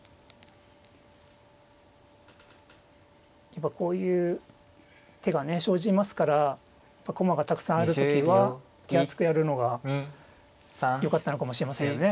やっぱこういう手がね生じますから駒がたくさんある時は手厚くやるのがよかったのかもしれませんよね。